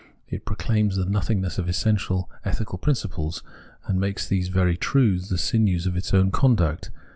It proclaims the nothingness of essential ethical principles, and makes those very truths the sinews of its own conduct.